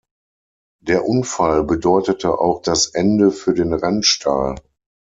Der Unfall bedeutete auch das Ende für den Rennstall.